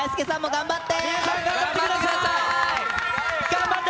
頑張って。